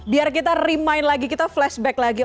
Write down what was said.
biar kita remind lagi kita flashback lagi